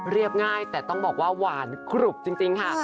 ง่ายแต่ต้องบอกว่าหวานขรุบจริงค่ะ